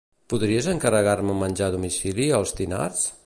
Podries encarregar-me menjar a domicili als Tinars?